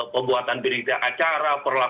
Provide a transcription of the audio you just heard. pembuatan perintah acara